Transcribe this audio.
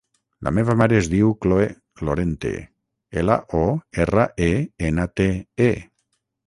La meva mare es diu Khloe Lorente: ela, o, erra, e, ena, te, e.